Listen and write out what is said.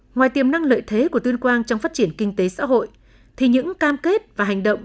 ngoài tiềm năng lợi thế của tuyên quang trong phát triển kinh tế xã hội thì những cam kết và hành động